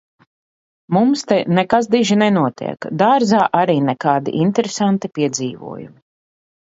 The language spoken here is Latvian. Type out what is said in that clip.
Mums te nekas diži nenotiek. Dārzā arī nekādi interesanti piedzīvojumi.